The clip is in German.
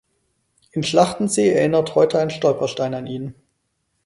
In Schlachtensee erinnert heute ein Stolperstein an ihn.